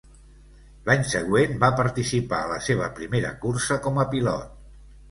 L'any següent va participar a la seva primera cursa com a pilot.